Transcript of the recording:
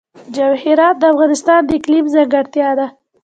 جواهرات د افغانستان د اقلیم ځانګړتیا ده.